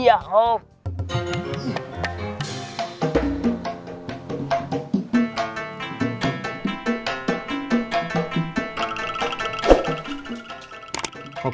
kamu jangan ganggu anak saya lagi